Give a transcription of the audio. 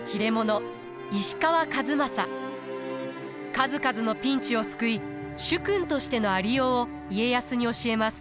数々のピンチを救い主君としてのありようを家康に教えます。